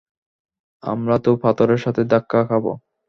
আমরা তো পাথরের সাথে ধাক্কা খাবো!